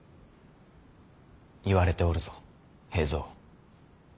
言われておるぞ平三。